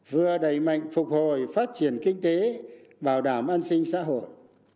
vừa đẩy mạnh phục hồi phát triển kinh tế bảo đảm an sinh xã hội